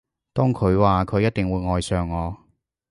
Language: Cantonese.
當佢話佢一定會愛上我